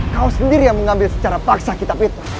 kau sendiri yang mengambil secara paksa kitab itu